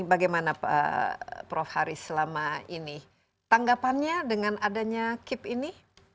bagaimana prof haris selama ini tanggapannya dengan adanya kip ini